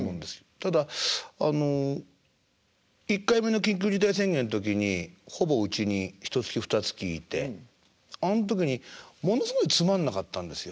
ただあの１回目の緊急事態宣言の時にほぼうちにひとつきふたつきいてあの時にものすごいつまんなかったんですよ。